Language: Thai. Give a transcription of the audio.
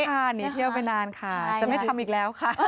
หนีเที่ยวไปนานค่ะจะไม่ทำอีกแล้วค่ะ